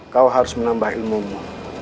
kau harus menambah ilmumu